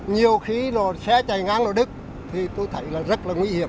nhiều khi nó xé chạy ngang nó đứt thì tôi thấy là rất là nguy hiểm